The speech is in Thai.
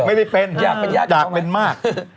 ไม่เป็นจากเมนมาก